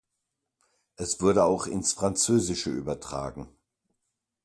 Es wurde auch ins Französische übertragen.